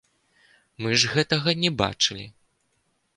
Мы ж гэтага не бачылі.